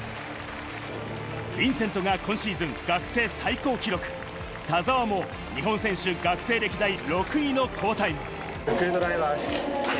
ヴィンセントが今シーズン学生最高記録、田澤も日本選手学生歴代６位の好タイム。